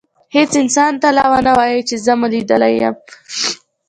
هیڅ انسان ته لا ونه وایئ چي زه مو لیدلی یم.